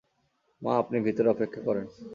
মা, আপনি ভিতরে অপেক্ষা করেন।